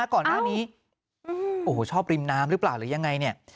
ก่อนหน้านี้โอ้โหชอบริมน้ำหรือเปล่าหรือยังไงเนี่ย